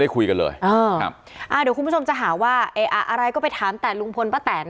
เดี๋ยวคุณผู้ชมจะหาว่าก็ไปถามแต่นลงพล